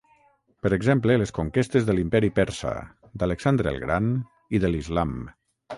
Per exemple, les conquestes de l'Imperi Persa, d'Alexandre el Gran i de l'Islam.